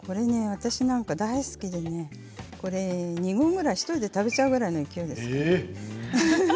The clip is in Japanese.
私はこれ大好きで２合ぐらい１人で食べちゃう勢いです。